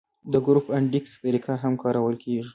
د ګروپ انډیکس طریقه هم کارول کیږي